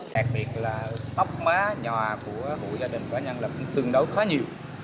đặc biệt là tóc má nhòa của hội gia đình của nhân lập cũng tương đấu khá nhiều